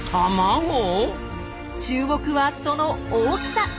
注目はその大きさ。